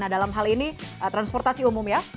nah dalam hal ini transportasi umum ya